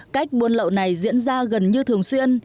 cách buôn lậu này diễn ra gần như thường xuyên